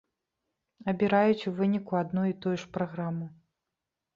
Абіраюць у выніку адну і тую ж праграму.